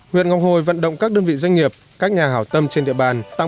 huyện ngọc hồi vận động các đơn vị doanh nghiệp các nhà hảo tâm trên địa bàn